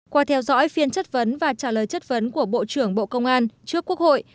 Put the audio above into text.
qua theo dõi phiên chất vấn và trả lời chất vấn của bộ trưởng bộ công an trước quốc hội